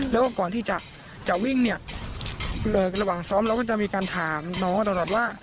แล้วก็ก่อนที่จะวิ่งเนี่ยระหว่างซ้อมเราก็จะมีการถามน้องมาตลอดว่า